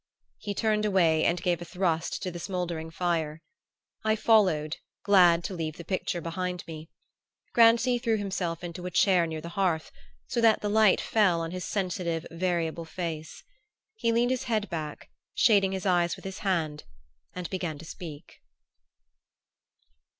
He turned away and gave a thrust to the smouldering fire. I followed, glad to leave the picture behind me. Grancy threw himself into a chair near the hearth, so that the light fell on his sensitive variable face. He leaned his head back, shading his eyes with his hand, and began to speak.